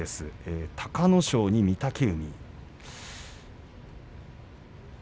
隆の勝に御嶽海。